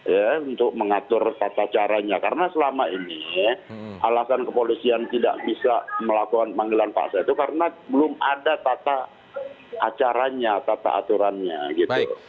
ya untuk mengatur tata caranya karena selama ini alasan kepolisian tidak bisa melakukan panggilan paksa itu karena belum ada tata acaranya tata aturannya gitu